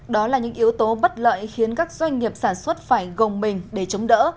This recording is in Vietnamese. đó là những yếu tố bất lợi khiến các doanh nghiệp sản xuất phải gồng mình để chống đỡ